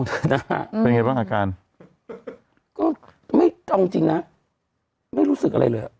โทษนะเป็นไงบ้างอาการเอาจริงนะไม่รู้สึกอะไรเลย